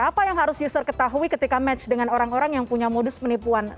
apa yang harus user ketahui ketika match dengan orang orang yang punya modus penipuan